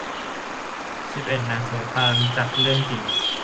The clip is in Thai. สิบเอ็ด หนังสงคราม สร้างจากเรื่องจริง